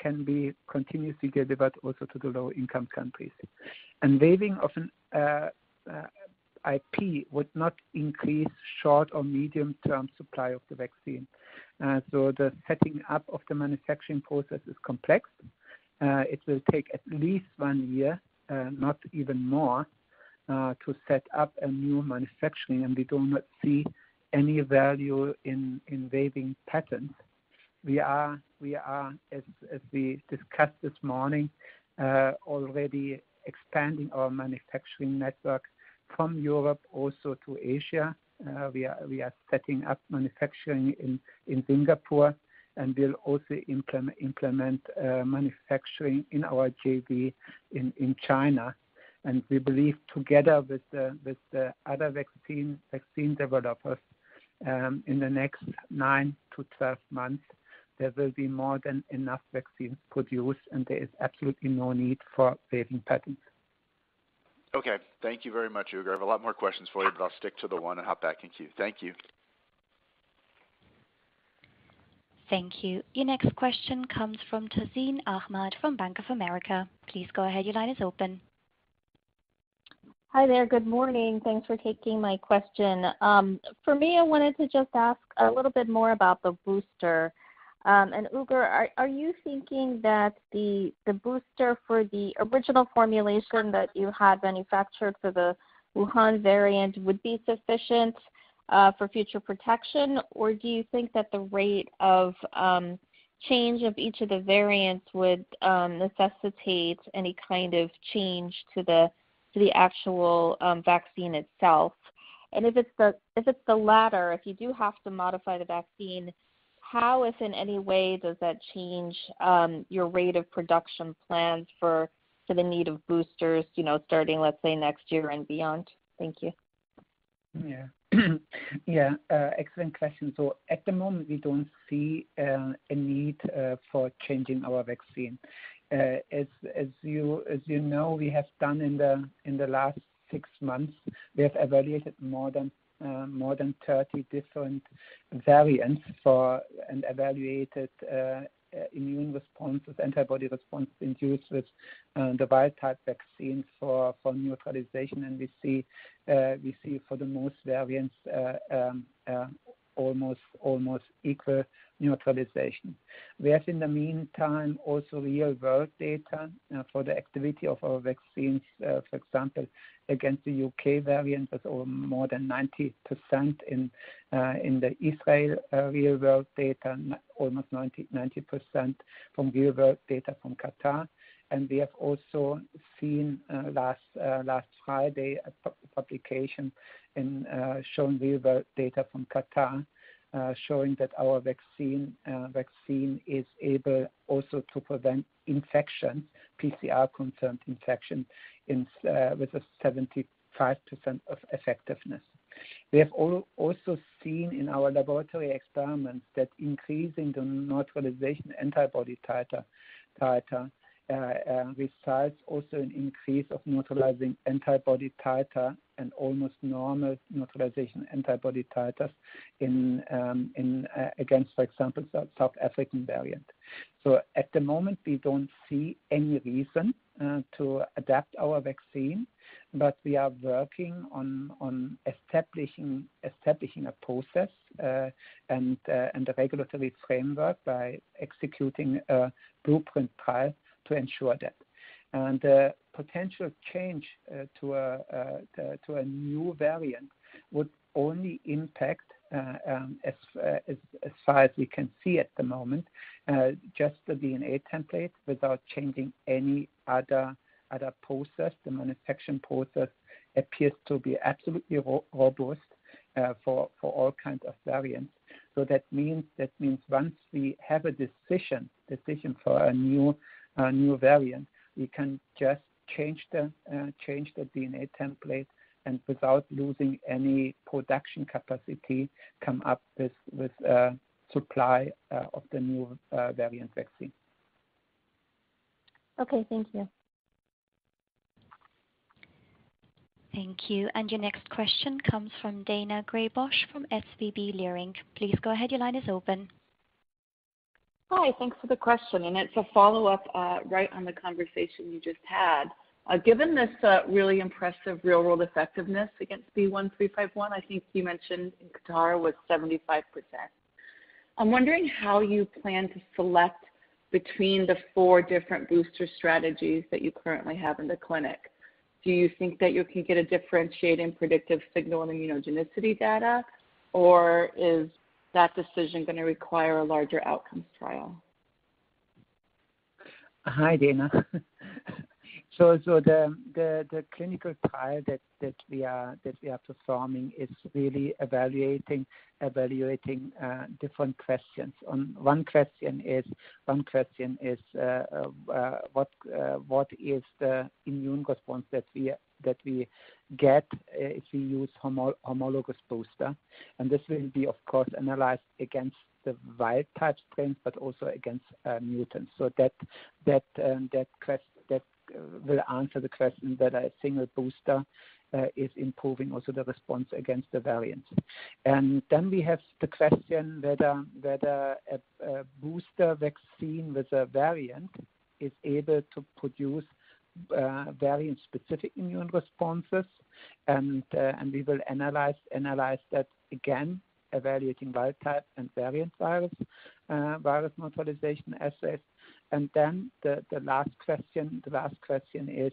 can be continuously delivered also to the low-income countries. Waiving of an IP would not increase short or medium-term supply of the vaccine. The setting up of the manufacturing process is complex. It will take at least one year, not even more, to set up a new manufacturing. We do not see any value in waiving patents. We are, as we discussed this morning, already expanding our manufacturing network from Europe also to Asia. We are setting up manufacturing in Singapore. We'll also implement manufacturing in our JV in China. We believe together with the other vaccine developers, in the next 9-12 months, there will be more than enough vaccines produced, and there is absolutely no need for waiving patents. Okay. Thank you very much, Uğur. I have a lot more questions for you, but I'll stick to the one and hop back in queue. Thank you. Thank you. Your next question comes from Tazeen Ahmad from Bank of America. Please go ahead. Your line is open. Hi there. Good morning. Thanks for taking my question. For me, I wanted to just ask a little bit more about the booster. Uğur, are you thinking that the booster for the original formulation that you had manufactured for the Wuhan variant would be sufficient for future protection? Do you think that the rate of change of each of the variants would necessitate any kind of change to the actual vaccine itself? If it's the latter, if you do have to modify the vaccine, how, if in any way, does that change your rate of production plans for the need of boosters starting, let's say, next year and beyond? Thank you. Yeah. Excellent question. At the moment, we don't see a need for changing our vaccine. As you know, we have done in the last six months, we have evaluated more than 30 different variants and evaluated immune responses, antibody response induced with the BioNTech vaccine for neutralization. We see for the most variants almost equal neutralization. We have, in the meantime, also real-world data for the activity of our vaccines, for example, against the U.K. variant that's over more than 90% in the Israel real-world data, almost 90% from real-world data from Qatar. We have also seen last Friday a publication showing real-world data from Qatar, showing that our vaccine is able also to prevent infection, PCR confirmed infection with a 75% of effectiveness. We have also seen in our laboratory experiments that increasing the neutralization antibody titer results also in increase of neutralizing antibody titer and almost normal neutralization antibody titers against, for example, South African variant. At the moment, we don't see any reason to adapt our vaccine, but we are working on establishing a process and a regulatory framework by executing a blueprint trial to ensure that. The potential change to a new variant would only impact, as far as we can see at the moment, just the DNA template without changing any other process. The manufacturing process appears to be absolutely robust for all kinds of variants. That means once we have a decision for a new variant, we can just change the DNA template and without losing any production capacity, come up with supply of the new variant vaccine. Okay. Thank you. Thank you. Your next question comes from Daina Graybosch from SVB Leerink. Please go ahead. Your line is open. Hi. Thanks for the question, and it's a follow-up right on the conversation you just had. Given this really impressive real-world effectiveness against B.1.351, I think you mentioned in Qatar was 75%. I am wondering how you plan to select between the four different booster strategies that you currently have in the clinic. Do you think that you can get a differentiating predictive signal in immunogenicity data, or is that decision going to require a larger outcomes trial? Hi, Daina. The clinical trial that we are performing is really evaluating different questions. One question is what is the immune response that we get if we use homologous booster? This will be, of course, analyzed against the wild type strains, but also against mutants. That will answer the question that a single booster is improving also the response against the variant. Then we have the question that a booster vaccine with a variant is able to produce variant-specific immune responses. We will analyze that again, evaluating wild type and variant virus neutralization assays. Then the last question is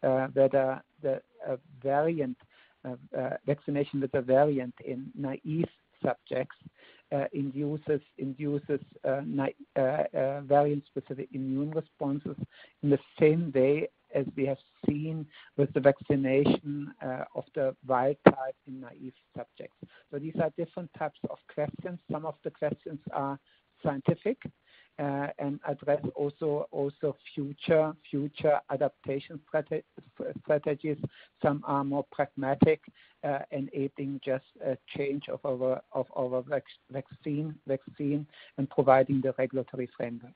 whether the variant vaccination with a variant in naive subjects induces variant-specific immune responses in the same way as we have seen with the vaccination of the wild type in naive subjects. These are different types of questions. Some of the questions are scientific and address also future adaptation strategies. Some are more pragmatic in aiding just a change of our vaccine and providing the regulatory framework.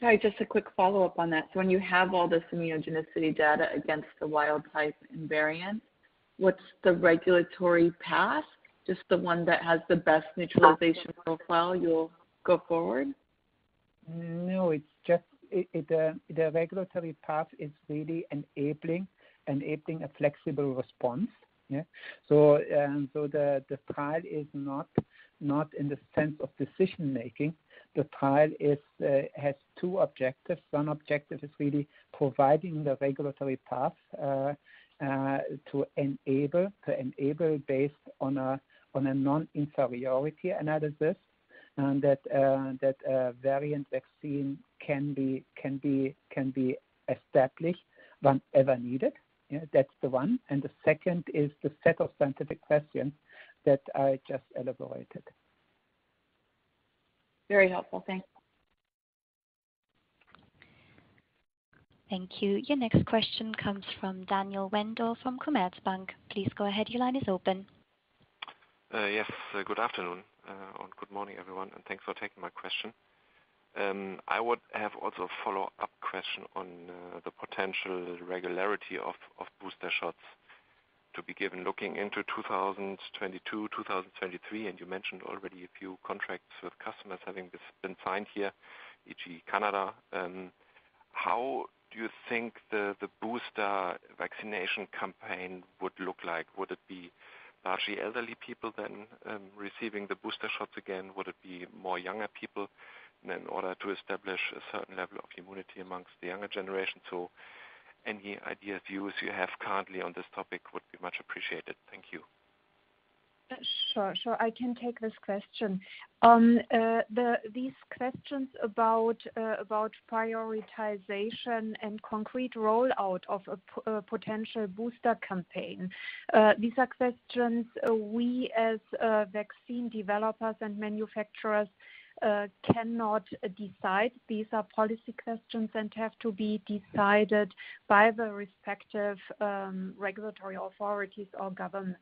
Sorry, just a quick follow-up on that. When you have all this immunogenicity data against the wild type and variant, what's the regulatory path? Just the one that has the best neutralization profile, you'll go forward? No, the regulatory path is really enabling a flexible response. Yeah. The trial is not in the sense of decision-making. The trial has two objectives. One objective is really providing the regulatory path to enable based on a non-inferiority analysis that a variant vaccine can be established whenever needed. That's the one. The second is the set of scientific questions that I just elaborated. Very helpful. Thanks. Thank you. Your next question comes from Daniel Wendorff from Commerzbank. Please go ahead. Your line is open. Yes. Good afternoon, good morning, everyone. Thanks for taking my question. I would have also a follow-up question on the potential regularity of booster shots to be given looking into 2022, 2023. You mentioned already a few contracts with customers having been signed here, e.g., Canada. How do you think the booster vaccination campaign would look like? Would it be largely elderly people then receiving the booster shots again? Would it be more younger people in order to establish a certain level of immunity amongst the younger generation? Any ideas, views you have currently on this topic would be much appreciated. Thank you. Sure. I can take this question. On these questions about prioritization and concrete rollout of a potential booster campaign. These are questions we as vaccine developers and manufacturers cannot decide. These are policy questions and have to be decided by the respective regulatory authorities or governments.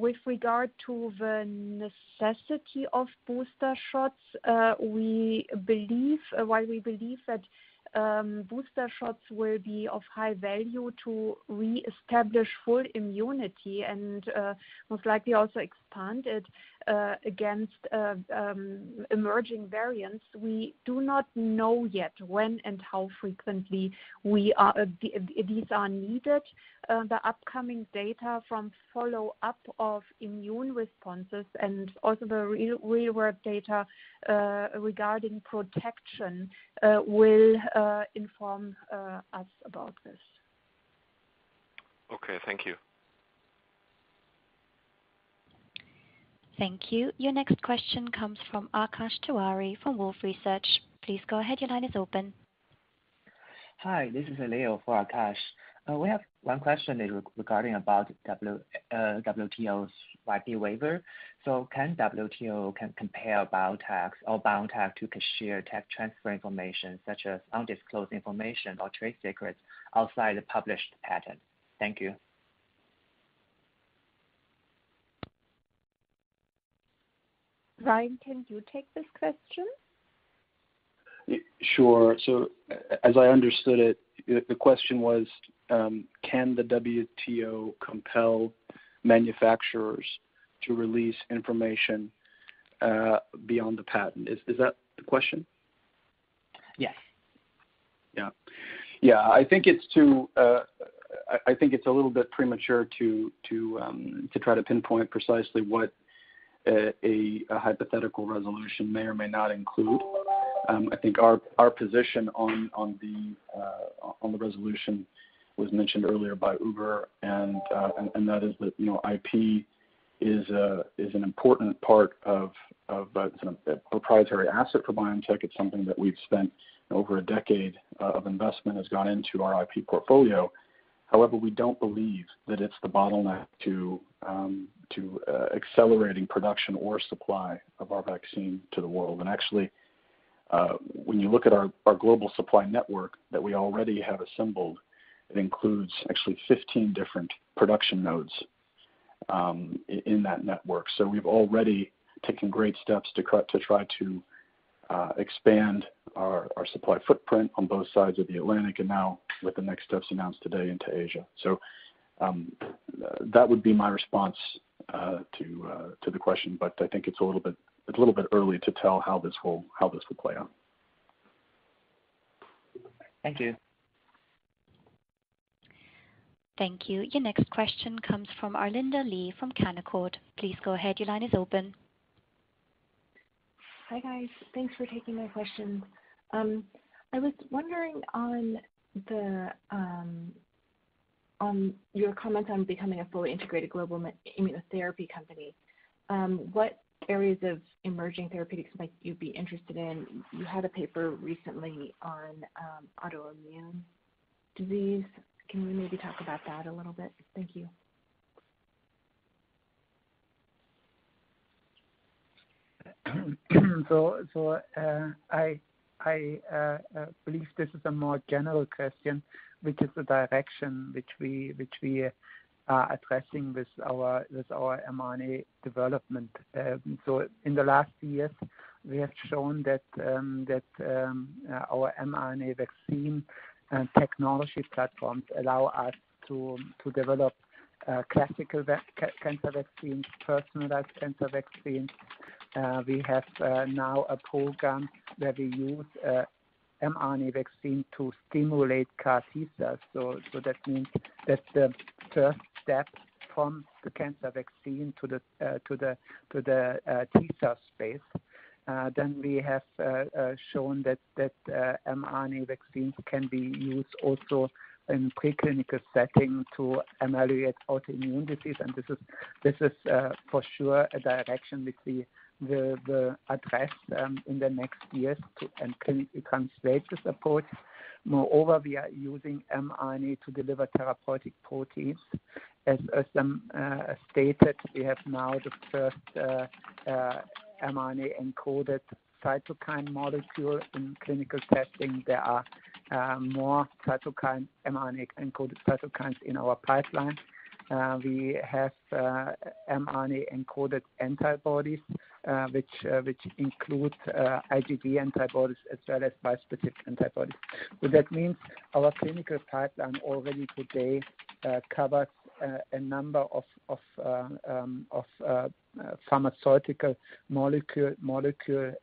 With regard to the necessity of booster shots, while we believe that booster shots will be of high value to reestablish full immunity and most likely also expanded against emerging variants, we do not know yet when and how frequently these are needed. The upcoming data from follow-up of immune responses and also the real-world data regarding protection will inform us about this. Okay. Thank you. Thank you. Your next question comes from Akash Tewari from Wolfe Research. Please go ahead. Your line is open. Hi, this is Leo for Akash. We have one question regarding about WTO's IP waiver. Can WTO compel BioNTech or BioNTech to share tech transfer information such as undisclosed information or trade secrets outside the published patent? Thank you. Ryan, can you take this question? Sure. As I understood it, the question was, can the WTO compel manufacturers to release information beyond the patent? Is that the question? Yes. Yeah. I think it's a little bit premature to try to pinpoint precisely what a hypothetical resolution may or may not include. I think our position on the resolution was mentioned earlier by Uğur, and that is that IP is an important part of a proprietary asset for BioNTech. It's something that we've spent over a decade of investment has gone into our IP portfolio. However, we don't believe that it's the bottleneck to accelerating production or supply of our vaccine to the world. Actually, when you look at our global supply network that we already have assembled, it includes actually 15 different production nodes in that network. We've already taken great steps to try to expand our supply footprint on both sides of the Atlantic, and now with the next steps announced today into Asia. That would be my response to the question, but I think it's a little bit early to tell how this will play out. Thank you. Thank you. Your next question comes from Arlinda Lee from Canaccord. Please go ahead. Your line is open. Hi, guys. Thanks for taking my questions. I was wondering on your comment on becoming a fully integrated global immunotherapy company. What areas of emerging therapeutics might you be interested in? You had a paper recently on autoimmune disease. Can we maybe talk about that a little bit? Thank you. I believe this is a more general question, which is the direction which we are addressing with our mRNA development. In the last years, we have shown that our mRNA vaccine technology platforms allow us to develop classical cancer vaccines, personalized cancer vaccines. We have now a program where we use mRNA vaccine to stimulate CAR T cells. That means that the first step from the cancer vaccine to the T cell space. We have shown that mRNA vaccines can be used also in preclinical setting to ameliorate autoimmune disease, and this is for sure a direction which we address in the next years to clinically translate the support. Moreover, we are using mRNA to deliver therapeutic proteins. As stated, we have now the first mRNA-encoded cytokine molecule in clinical testing. There are more mRNA-encoded cytokines in our pipeline. We have mRNA-encoded antibodies, which includes IgG antibodies as well as bispecific antibodies. That means our clinical pipeline already today covers a number of pharmaceutical molecules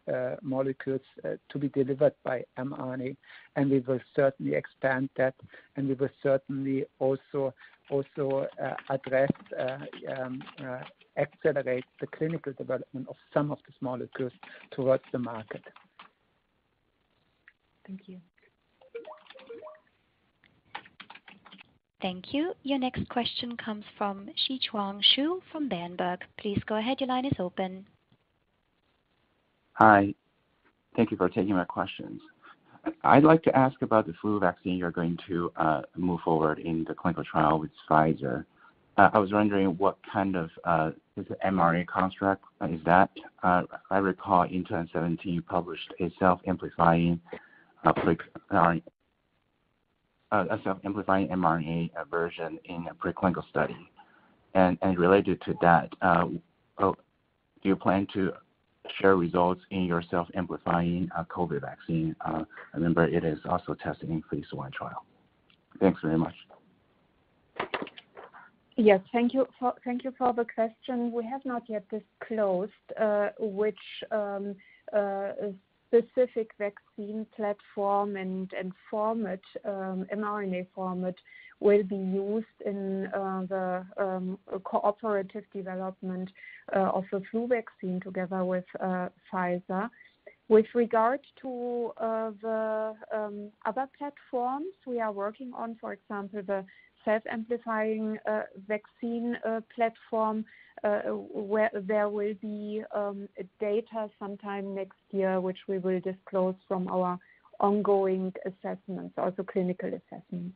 to be delivered by mRNA, and we will certainly expand that, and we will certainly also accelerate the clinical development of some of these molecules towards the market. Thank you. Thank you. Your next question comes from Zhiqiang Shu from Berenberg. Please go ahead. Your line is open. Hi. Thank you for taking my questions. I'd like to ask about the flu vaccine you're going to move forward in the clinical trial with Pfizer. I was wondering what kind of mRNA construct is that? If I recall, in 2017, you published a self-amplifying mRNA version in a preclinical study. Related to that, do you plan to share results in your self-amplifying COVID vaccine? I remember it is also testing in phase I trial. Thanks very much. Yes. Thank you for the question. We have not yet disclosed which specific vaccine platform and mRNA format will be used in the cooperative development of the flu vaccine together with Pfizer. With regard to the other platforms we are working on, for example, the self-amplifying vaccine platform, there will be data sometime next year which we will disclose from our ongoing assessments, also clinical assessments.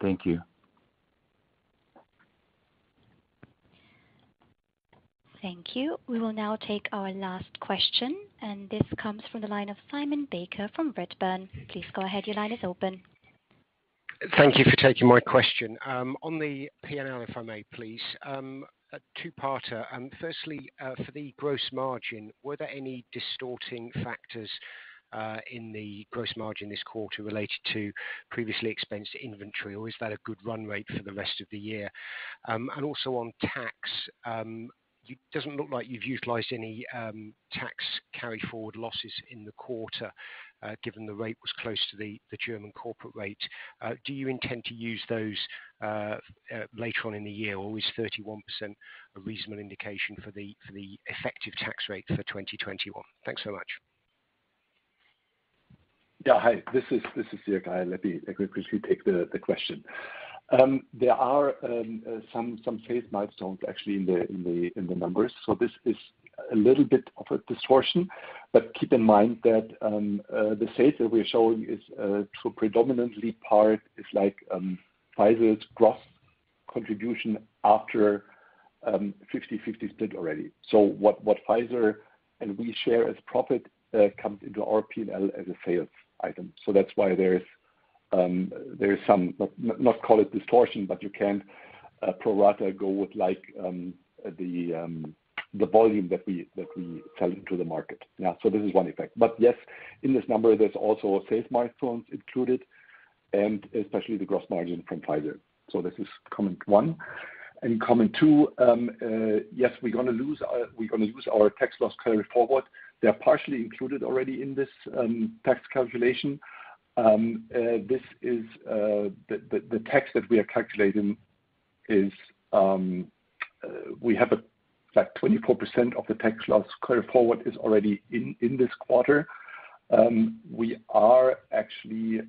Thank you. Thank you. We will now take our last question, and this comes from the line of Simon Baker from Redburn. Please go ahead. Your line is open. Thank you for taking my question. On the P&L, if I may, please. A two-parter. Firstly, for the gross margin, were there any distorting factors in the gross margin this quarter related to previously expensed inventory, or is that a good run rate for the rest of the year? Also on tax, it doesn't look like you've utilized any tax carry-forward losses in the quarter, given the rate was close to the German corporate rate. Do you intend to use those later on in the year, or is 31% a reasonable indication for the effective tax rate for 2021? Thanks so much. Hi, this is Sierk Poetting. Let me quickly take the question. There are some sales milestones actually in the numbers. This is a little bit of a distortion, but keep in mind that the sales that we're showing is to predominantly part is like Pfizer's gross contribution after 50/50 split already. What Pfizer and we share as profit comes into our P&L as a sales item. That's why there is some, not call it distortion, but you can't pro rata go with the volume that we sell into the market. This is one effect. Yes, in this number, there's also a sales milestones included and especially the gross margin from Pfizer. This is comment one. Comment two, yes, we're going to lose our tax loss carry forward. They're partially included already in this tax calculation. The tax that we are calculating is, we have 24% of the tax loss carry forward is already in this quarter. We are actually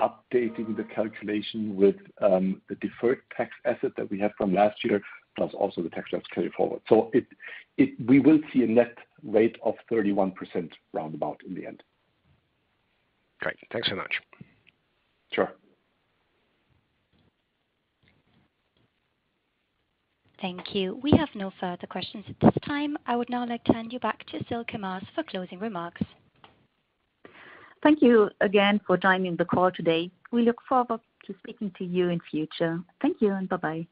updating the calculation with the deferred tax asset that we have from last year, plus also the tax loss carry forward. We will see a net rate of 31% roundabout in the end. Great. Thanks so much. Sure. Thank you. We have no further questions at this time. I would now like to hand you back to Sylke Maas for closing remarks. Thank you again for joining the call today. We look forward to speaking to you in future. Thank you and bye-bye.